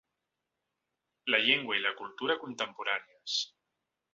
La llengua i la cultura contemporànies.